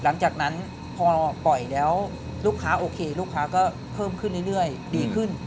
หลังจากนั้นพอเราปล่อยแล้วลูกค้าโอเคลูกค้าก็เพิ่มขึ้นเรื่อยดีขึ้น